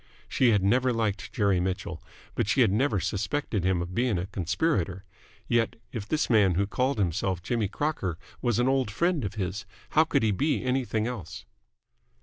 She had never liked Jerry Mitchell, but she had never suspected him of being a conspirator. Yet, if this man who called himself Jimmy Crocker was an old friend of his, how could he be anything else?